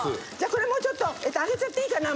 これもうちょっとあげちゃっていいかな？